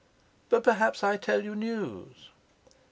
But perhaps I tell you news?"